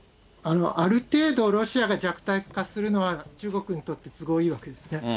ある程度、ロシアが弱体化するのは中国にとって都合いいわけですね。